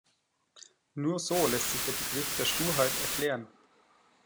Nur so lässt sich der Begriff der Sturheit erklären.